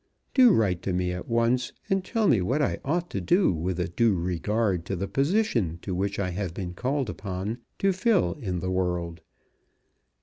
Do write to me at once, and tell me what I ought to do with a due regard to the position to which I have been called upon to fill in the world.